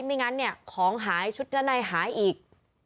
ไม่งั้นเนี่ยของหายชุดชั้นในหายอีก